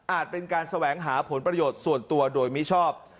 เป็นการแสวงหาผลประโยชน์ส่วนตัวโดยมิชอบ